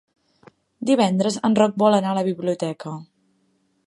Divendres en Roc vol anar a la biblioteca.